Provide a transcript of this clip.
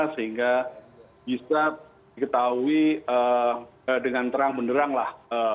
sehingga bisa diketahui dengan terang benderang lah